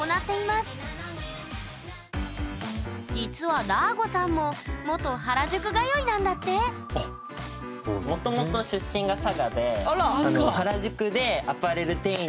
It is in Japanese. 実はだーごさんも元原宿通いなんだってもともと佐賀！